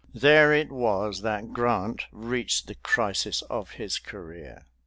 _There it was that Grant reached the crisis of his career.